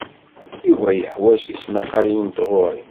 Yuba yeḥwaj tismaqqalin n tɣuri.